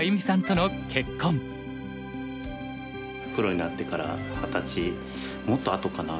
プロになってから二十歳もっとあとかな。